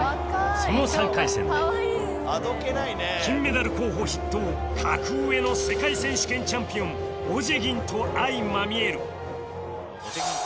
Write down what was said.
その３回戦で金メダル候補筆頭格上の世界選手権チャンピオンオジェギンと相まみえる